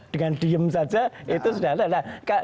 dengan diam saja itu sudah